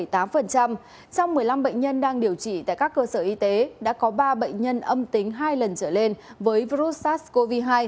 trong một mươi năm bệnh nhân đang điều trị tại các cơ sở y tế đã có ba bệnh nhân âm tính hai lần trở lên với virus sars cov hai